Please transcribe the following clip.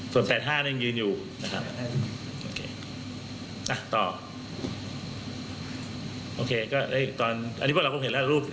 ส่วน๘๕ยืนอยู่